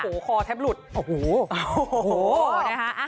โอ้โหคอแทบหลุดโอ้โห